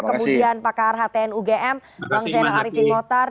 kemudian pakar htn ugm bang zainal ariefin kotar